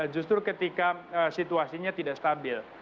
justru ketika situasinya tidak stabil